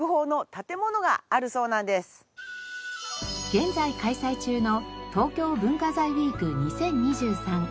現在開催中の東京文化財ウィーク２０２３。